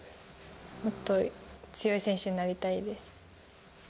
もっと強い選手になりたいです。